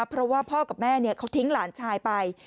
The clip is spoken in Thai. เพราะว่าพ่อกับแม่เขาทิ้งหลานชายไป